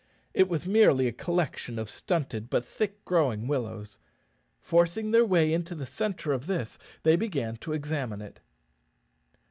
It was merely a collection of stunted but thick growing willows. Forcing their way into the centre of this they began to examine it.